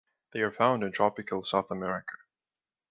They are found in tropical South America.